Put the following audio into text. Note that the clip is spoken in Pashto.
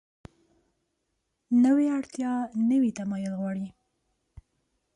نوې اړتیا نوي وسایل غواړي